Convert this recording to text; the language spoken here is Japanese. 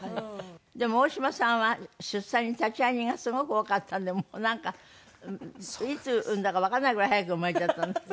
でも大島さんは出産に立会人がすごく多かったんでもうなんかいつ産んだかわかんないぐらい早く生まれちゃったんですって？